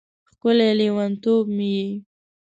ښکلی لیونتوب مې یې